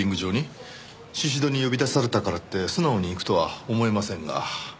宍戸に呼び出されたからって素直に行くとは思えませんが。